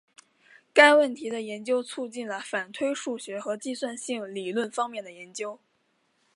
该问题的研究促进了反推数学和计算性理论方面的研究。